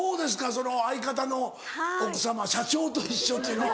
その相方の奥さま社長と一緒というのは。